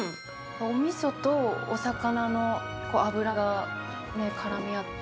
おみそと、お魚の脂が絡み合って。